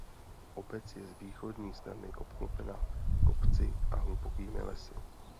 Obec je z východní strany obklopena kopci a hlubokými lesy.